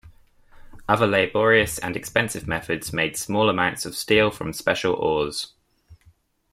Other laborious and expensive methods made small amounts of steel from special ores.